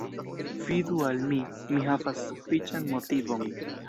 Fidu al mi; mi havas sufiĉan motivon.